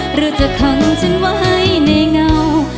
หรือจะขังฉันไว้ในเงา